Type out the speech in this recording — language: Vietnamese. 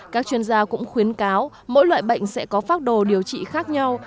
các chuyên gia cũng khuyến cáo mỗi loại bệnh sẽ có phác đồ điều trị khác nhau